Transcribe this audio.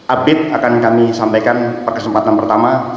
update akan kami sampaikan perkesempatan pertama